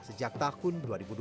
sejak tahun dua ribu dua puluh